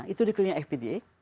itu dikeliling fpda